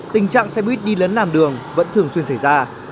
tình trạng xe buýt đi lấn làn đường vẫn thường xuyên xảy ra